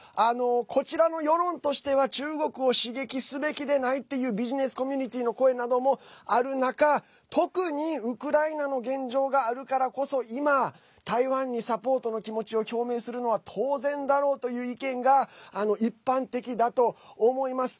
こちらの世論としては中国を刺激すべきでないっていうビジネスコミュニティの声などもある中特にウクライナの現状があるからこそ今、台湾にサポートの気持ちを表明するのは当然だろうという意見が一般的だと思います。